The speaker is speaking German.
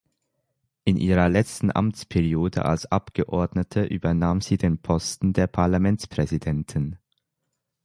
In ihrer letzten Amtsperiode als Abgeordnete übernahm sie den Posten der Parlamentspräsidentin.